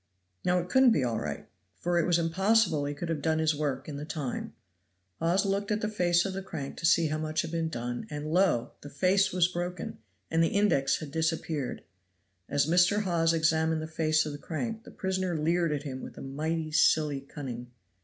Now it couldn't be all right, for it was impossible he could have done his work in the time. Hawes looked at the face of the crank to see how much had been done, and lo! the face was broken and the index had disappeared. As Mr. Hawes examined the face of the crank, the prisoner leered at him with a mighty silly cunning.